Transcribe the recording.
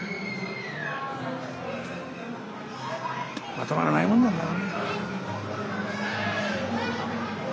まとまらないもんなんだな。